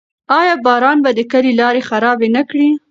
آیا باران به د کلي لارې خرابې نه کړي؟